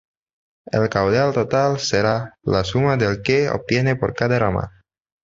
El caudal total será la suma del que se obtiene por cada rama.